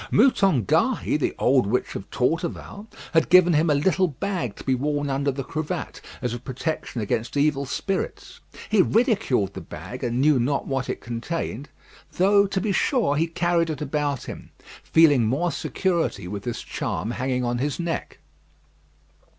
Moutonne Gahy, the old witch of Torteval, had given him a little bag to be worn under the cravat, as a protection against evil spirits: he ridiculed the bag, and knew not what it contained, though, to be sure, he carried it about him, feeling more security with this charm hanging on his neck.